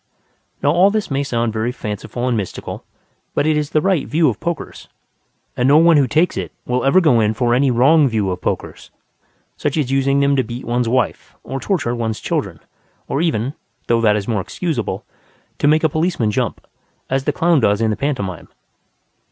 Now all this may sound very fanciful and mystical, but it is the right view of pokers, and no one who takes it will ever go in for any wrong view of pokers, such as using them to beat one's wife or torture one's children, or even (though that is more excusable) to make a policeman jump, as the clown does in the pantomime.